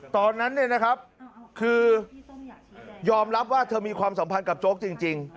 ตอนนั้นเนี่ยนะครับคือยอมรับว่าเธอมีความสัมพันธ์กับโจ๊กจริง